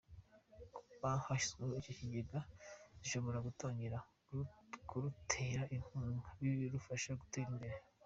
Kuba hashyizzweho icyo kigega, zishobora gutangira kurutera inkunga bikarufasha mu gutera imbere.